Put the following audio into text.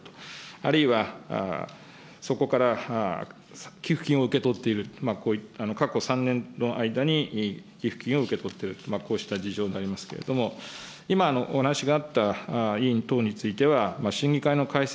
あるいは、そこから寄付金を受け取っている、こういった、過去３年の間に給付金を受け取っている、こうした事情でありますけれども、今お話があった委員等については、審議会の開催